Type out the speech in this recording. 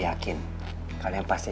oh kenapa statesh